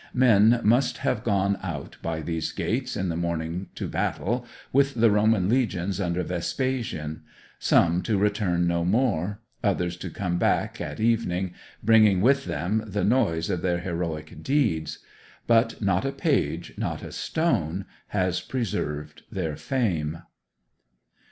Men must have often gone out by those gates in the morning to battle with the Roman legions under Vespasian; some to return no more, others to come back at evening, bringing with them the noise of their heroic deeds. But not a page, not a stone, has preserved their fame.